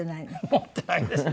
持ってないですね。